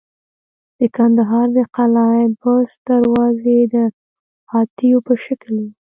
د کندهار د قلعه بست دروازې د هاتیو په شکل وې